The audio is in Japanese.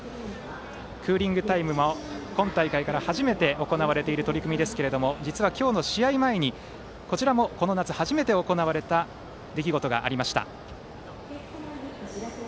クーリングタイムも今大会から初めて行われている取り組みですが実は今日の試合前にこちらも、この夏初めて行われた出来事がありました。